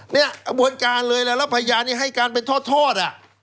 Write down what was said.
กระบวนการเลยแล้วพยานนี้ให้การเป็นทอด